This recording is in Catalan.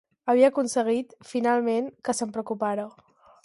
Havia aconseguit, finalment, que se'n preocupara.